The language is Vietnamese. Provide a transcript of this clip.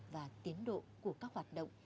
và tiến độ của các hoạt động